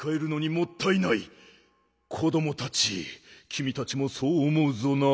子どもたちきみたちもそうおもうぞな？